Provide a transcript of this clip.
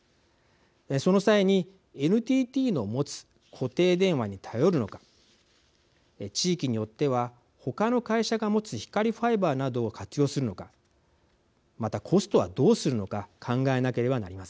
その際にＮＴＴの持つ固定電話に頼るのか地域によってはほかの会社が持つ光ファイバーなどを活用するのかまたコストはどうするのか考えなければなりません。